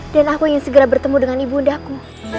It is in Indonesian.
dan aku ingin segera bertemu dengan ibu undangku